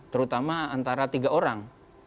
terutama antara tiga orang